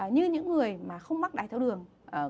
như những người mà không mắc đài tháo đường